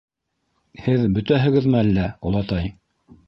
— Һеҙ бөтәһегеҙме әллә, олатай?